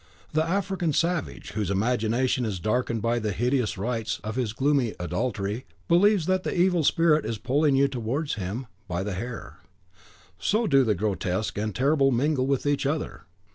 The African savage, whose imagination is darkened by the hideous rites of his gloomy idolatry, believes that the Evil Spirit is pulling you towards him by the hair: so do the Grotesque and the Terrible mingle with each other."